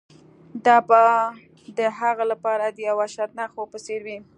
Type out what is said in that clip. دا به د هغه لپاره د یو وحشتناک خوب په څیر وي